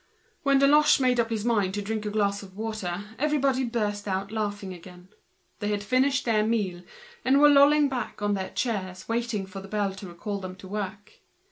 When Deloche made up his mind to drink a glass of water the whole table burst out laughing again. They had finished and were lolling back on their chairs waiting for the bell recalling them to work.